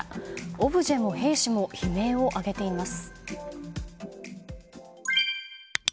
オブジェも兵士も悲鳴を上げています。